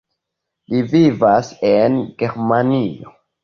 Li vivas en Germanio.